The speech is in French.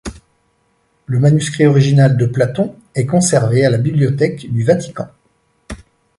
Le manuscrit original de Platon est conservé à la bibliothèque du Vatican.